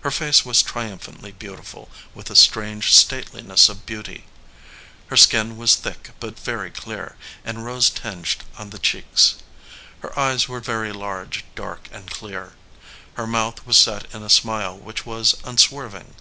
Her face was tri umphantly beautiful, with a strange stateliness o>f beauty. Her skin was thick but very clear, and rose tinged on the cheeks ; her eyes were very large, dark, and clear. Her mouth was set in a smile which was unswerving.